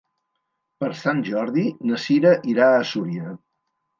Per Sant Jordi na Cira irà a Súria.